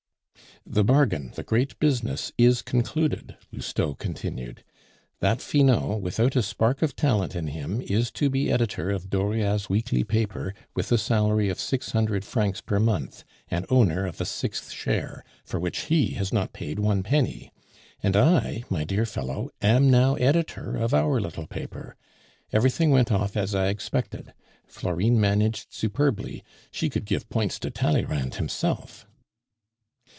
"The bargain, the great business, is concluded," Lousteau continued. "That Finot, without a spark of talent in him, is to be editor of Dauriat's weekly paper, with a salary of six hundred francs per month, and owner of a sixth share, for which he has not paid one penny. And I, my dear fellow, am now editor of our little paper. Everything went off as I expected; Florine managed superbly, she could give points to Tallyrand himself."